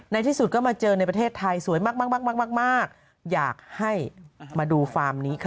ที่สุดก็มาเจอในประเทศไทยสวยมากมากอยากให้มาดูฟาร์มนี้ค่ะ